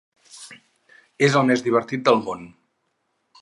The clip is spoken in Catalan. És el més divertit del món!